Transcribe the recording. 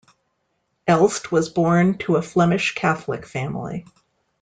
Elst was born to a Flemish Catholic family.